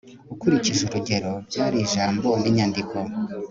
ukurikije urugero. byari ijambo n'inyandiko